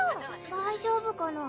大丈夫かな？